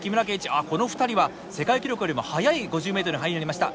あこの２人は世界記録よりも早い５０ｍの入りになりました。